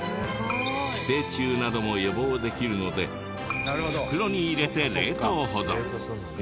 寄生虫なども予防できるので袋に入れて冷凍保存。